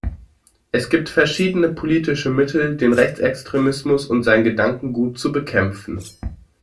Es gibt verschiedene politische Mittel, den Rechtsextremismus und sein Gedankengut zu bekämpfen.